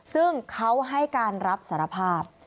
ซึ่งเขาให้การรับสารภาพ